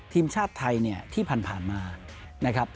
ทีมชาติไทยที่ผ่านมา